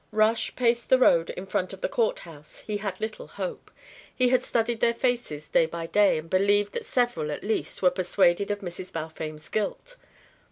Rush paced the road in front of the Court house. He had little hope. He had studied their faces day by day and believed that several, at least, were persuaded of Mrs. Balfame's guilt.